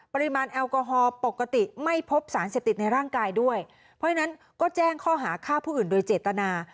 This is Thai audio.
ปริมาณแอลกอฮอล์ปกติไม่พบสารเสพติดในร่างกายด้วยเพราะฉะนั้นก็แจ้งข้อหาฆ่าผู้อื่นโดยเจตนา